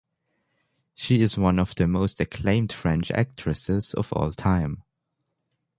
She is one of the most acclaimed French actresses of all time.